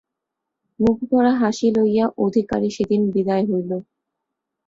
মুখভরা হাসি লাইয়া অধিকারী সেদিন বিদায় হইল।